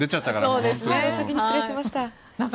お先に失礼しました。